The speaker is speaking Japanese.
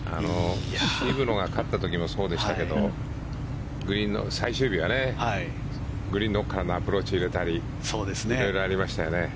渋野が勝った時もそうでしたけど最終日はグリーンの奥からのアプローチを入れたり色々ありましたよね。